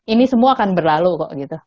ini semua akan berlalu kok gitu